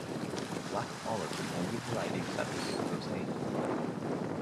For black olives the only variety accepted is Grossane.